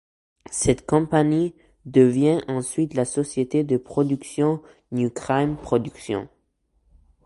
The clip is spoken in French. Cette compagnie devient ensuite la société de production New Crime Productions.